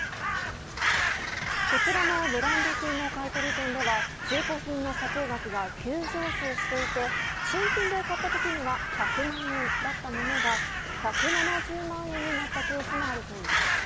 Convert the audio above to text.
こちらのブランド品の買い取り店では中古品の査定額が急上昇していて新品で買った時には１００万円だったものが１７０万円になったケースもあったといいます。